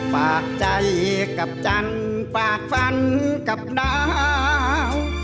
ฝากใจกับจันทร์ฝากฟันกับดาว